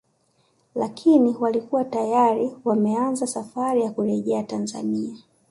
Lakini walikuwa tayari wameanza safari ya kurejea Tanzania